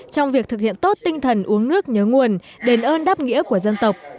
trong việc thực hiện tốt tinh thần uống nước nhớ nguồn đền ơn đáp nghĩa của dân tộc